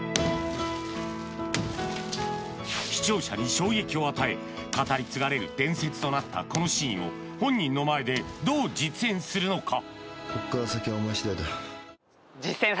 視聴者に衝撃を与え語り継がれる伝説となったこのシーンを本人の前でどう実演するのか？